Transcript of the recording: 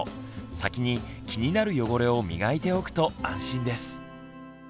先に気になる汚れを磨いておくと安心です。